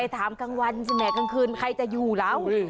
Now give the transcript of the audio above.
ไปถามกลางวันแสนแห่งกลางคืนใครจะอยู่แล้ว